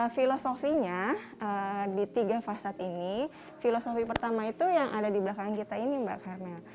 filosofinya di tiga fasad ini filosofi pertama itu yang ada di belakang kita ini mbak karmel